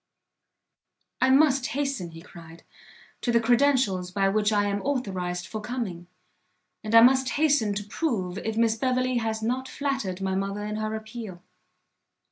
"I must hasten," he cried, "to the credentials by which I am authorised for coming, and I must hasten to prove if Miss Beverley has not flattered my mother in her appeal."